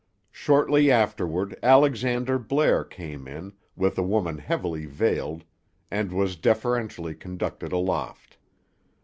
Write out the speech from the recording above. Shortly afterward Alexander Blair came in, with a woman heavily veiled, and was deferentially conducted aloft.